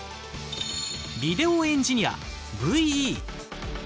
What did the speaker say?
ビデオエンジニア、ＶＥ。